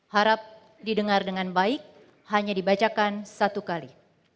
harap didengar dengan baik hanya dibacakan satu kali